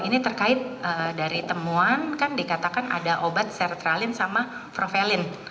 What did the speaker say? ini terkait dari temuan kan dikatakan ada obat sertralin sama profeline